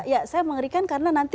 ya saya mengerikan karena nanti